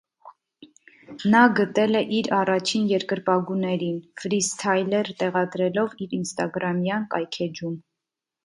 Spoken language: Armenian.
Նա գտել է իր առաջին երկրպագուներին, ֆրիսթայլեր տեղադրելով իր ինստագրամյան կայքէջում։